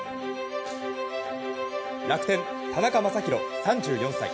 楽天、田中将大、３４歳。